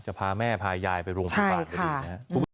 พาแม่พายายไปโรงพยาบาลก็ดีนะครับ